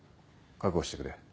覚悟してくれ。